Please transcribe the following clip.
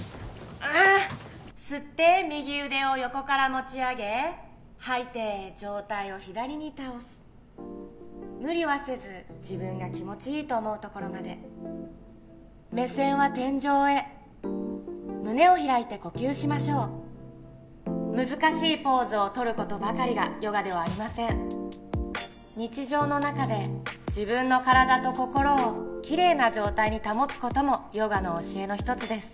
ああっ吸って右腕を横から持ち上げ吐いて上体を左に倒す無理はせず自分が気持ちいいと思うところまで目線は天井へ胸を開いて呼吸しましょう難しいポーズをとることばかりがヨガではありません日常の中で自分の体と心をきれいな状態に保つこともヨガの教えの一つです